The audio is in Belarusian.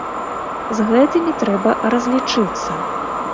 З гэтымі трэба разлічыцца.